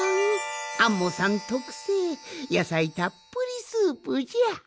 アンモさんとくせいやさいたっぷりスープじゃ。